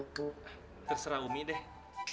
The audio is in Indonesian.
terserah umi deh